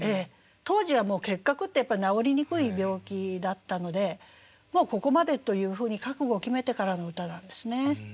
当時はもう結核ってやっぱり治りにくい病気だったのでもうここまでというふうに覚悟を決めてからの歌なんですね。